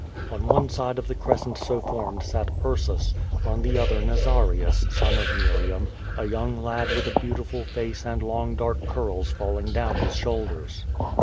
On one side of the crescent so formed sat Ursus, on the other Nazarius, son of Miriam, a young lad with a beautiful face and long dark curls falling down his shoulders.